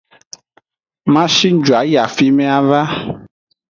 Ma shi ju ayi afieme ava.